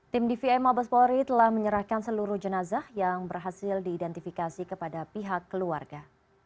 tim dvi mabes polri telah menyerahkan seluruh jenazah yang berhasil diidentifikasi kepada pihak keluarga